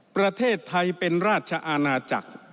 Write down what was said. ประเทศไทยเป็นราชอาณาจักร